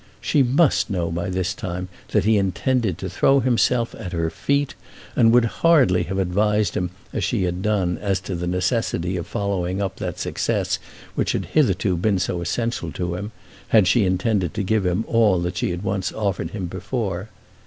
She must know by this time that he intended to throw himself at her feet; and would hardly have advised him as she had done as to the necessity of following up that success which had hitherto been so essential to him, had she intended to give him all that she had once offered him before.